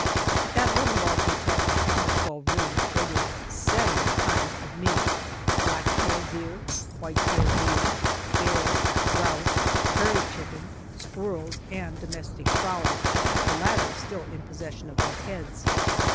At that little log hotel of ten or twelve rooms there were seven kinds of meat black tail deer, white tail deer, bear, grouse, prairie chicken, squirrels, and domestic fowl the latter still in possession of their heads.